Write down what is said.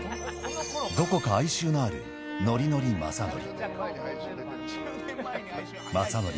どこか哀愁のあるのりのりまさのり。